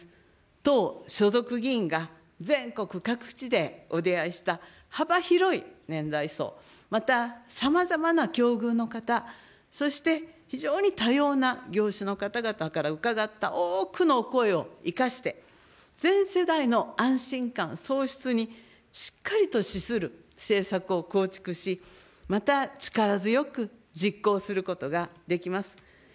党所属議員が全国各地でお出会いした幅広い年代層、また、さまざまな境遇の方、そして非常に多様な業種の方々から伺った多くのお声を生かして、全世代の安心感創出にしっかりと資する政策を構築し、また力強く実行することができます。